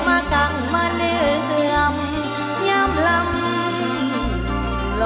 มากังมาเนื่องอำยามลำละ